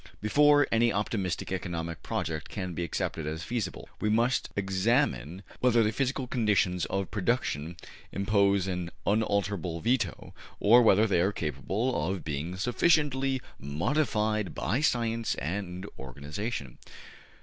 Before any optimistic economic project can be accepted as feasible, we must examine whether the physical conditions of production impose an unalterable veto, or whether they are capable of being sufficiently modified by science and organization.